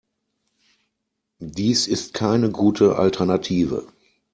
Dies ist keine gute Alternative.